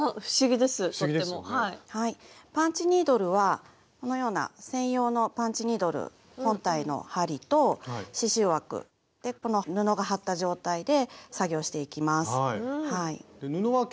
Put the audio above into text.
パンチニードルはこのような専用のパンチニードル本体の針と刺しゅう枠この布が張った状態で作業していきます。